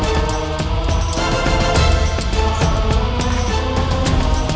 aduh agak terserah